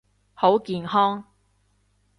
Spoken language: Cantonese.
好健康！